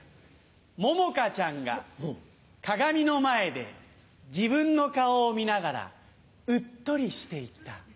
桃花ちゃんが鏡の前で自分の顔を見ながらうっとりしていた。